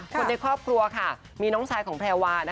คนในครอบครัวค่ะมีน้องชายของแพรวา